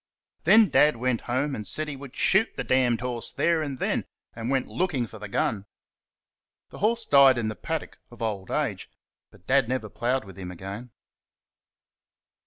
Then Dad went home and said he would shoot the horse there and then, and went looking for the gun. The horse died in the paddock of old age, but Dad never ploughed with him again.